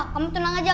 kamu tenang aja